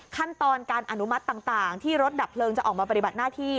ขั้นตอนการอนุมัติต่างที่รถดับเพลิงจะออกมาปฏิบัติหน้าที่